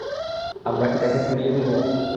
আমরা কি তাকে পুড়িয়ে দিব?